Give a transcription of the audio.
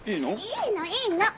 いいのいいの！